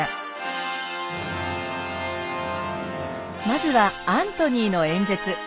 まずはアントニーの演説。